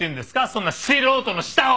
そんな素人の舌を！